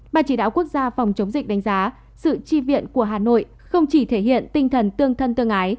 ban chỉ đạo quốc gia phòng chống dịch đánh giá sự tri viện của hà nội không chỉ thể hiện tinh thần tương thân tương ái